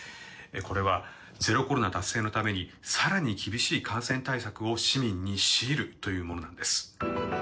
これはゼロコロナ達成のために更に厳しい感染対策を市民に強いるというものなんです。